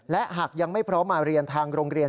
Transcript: และหากยังไม่พร้อมมาเรียนทางโรงเรียน